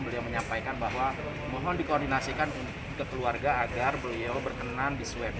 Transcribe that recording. beliau menyampaikan bahwa mohon dikoordinasikan ke keluarga agar beliau berkenan di swab